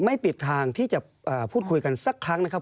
ปิดทางที่จะพูดคุยกันสักครั้งนะครับ